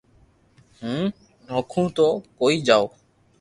ھون دوڪون تي ڪوئي جاو